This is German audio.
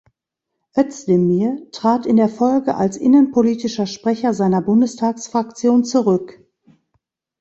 Özdemir trat in der Folge als innenpolitischer Sprecher seiner Bundestagsfraktion zurück.